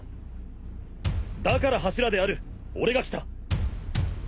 だから柱である俺が来た。